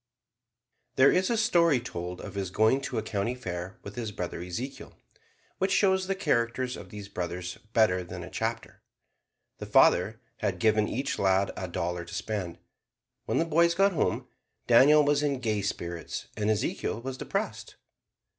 There is a story told of his going to a county fair with his brother Ezekiel, which shows the characters of these brothers better than a chapter. The father had given each lad a dollar to spend. When the boys got home Daniel was in gay spirits and Ezekiel was depressed.